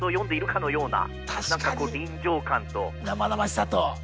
生々しさと。